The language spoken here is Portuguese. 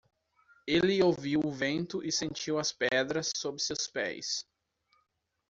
Ele ouviu o vento e sentiu as pedras sob seus pés.